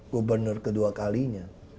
gubernur kedua kalinya